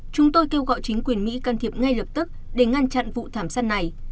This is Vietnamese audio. chúng tôi kêu gọi chính quyền mỹ can thiệp ngay lập tức để ngăn chặn vụ thảm sát này